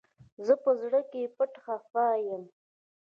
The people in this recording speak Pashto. زه په زړه کي پټ خپه يم